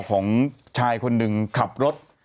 ของชายคนหนึ่งขับรถ